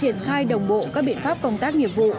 triển khai đồng bộ các biện pháp công tác nghiệp vụ